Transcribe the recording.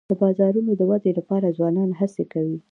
د بازارونو د ودي لپاره ځوانان هڅي کوي.